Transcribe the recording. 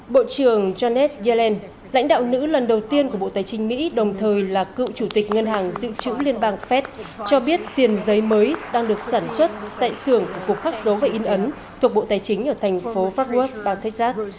bộ trưởng janet yellen lãnh đạo nữ lần đầu tiên của bộ tài chính mỹ đồng thời là cựu chủ tịch ngân hàng dự trữ liên bang fed cho biết tiền giấy mới đang được sản xuất tại xưởng của cuộc khắc giấu và in ấn thuộc bộ tài chính ở thành phố fort worth bà thách giác